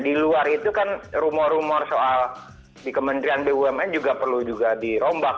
setelah itu kan rumor rumor soal di kementerian bumn juga perlu dirombak